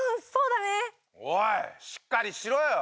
おいしっかりしろよ！